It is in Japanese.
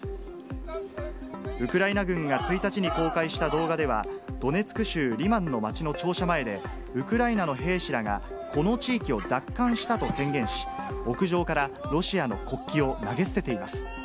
ウクライナ軍が１日の公開した動画では、ドネツク州リマンの街の庁舎前で、ウクライナの兵士らがこの地域を奪還したと宣言し、屋上からロシアの国旗を投げ捨てています。